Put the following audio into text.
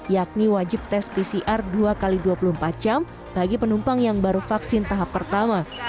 yakni wajib tes pcr dua x dua puluh empat jam bagi penumpang yang baru vaksin tahap pertama